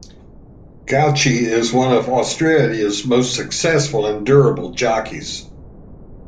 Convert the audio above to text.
Gauci is one of Australia's most successful and durable jockeys.